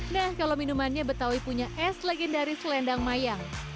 nah kalau minumannya betawi punya es legendaris selendang mayang